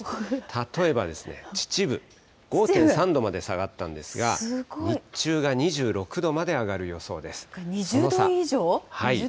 例えばですね、秩父、５．３度まで下がったんですが、日中が２６度まで上がる予想です。